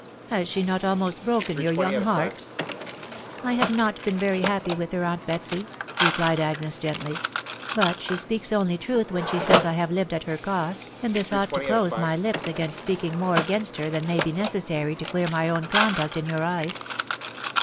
Has she not almost broken your young heart ?"" I have not been very happy with her, aunt Betsy," re plied Agnes gently ;...." but she speaks only truth when she says I have lived at her cost, and this ought to close my lips against speaking more against her than may be necessary to clear my own conduct ki your eyes."